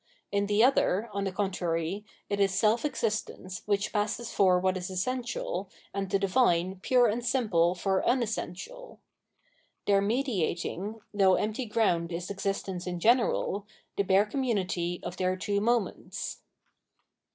In the other, on the contrary, it is self existence which passes for what is essential and the Divine pure and simple for unessential. Their mediating, though empty ground is existence in general, the bare community of their two moments.